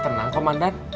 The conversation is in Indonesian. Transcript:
ke ternyata helper